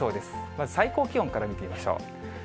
まず最高気温から見てみましょう。